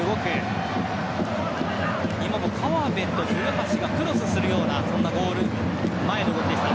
川辺と古橋がクロスするようなゴール前の動きでした。